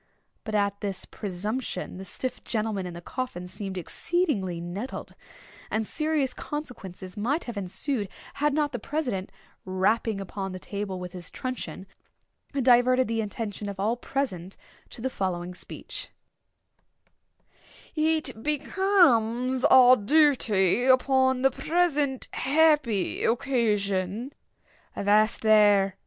But at this presumption the stiff gentleman in the coffin seemed exceedingly nettled; and serious consequences might have ensued, had not the president, rapping upon the table with his truncheon, diverted the attention of all present to the following speech: "It becomes our duty upon the present happy occasion—" "Avast there!"